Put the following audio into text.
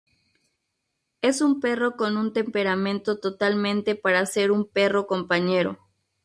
És un perro con un temperamento totalmente para ser un perro compañero.